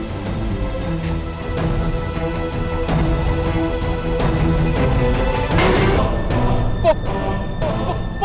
pak di bagiri pak